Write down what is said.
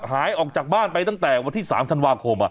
หายออกจากบ้านไปตั้งแต่วันที่๓ธันวาคม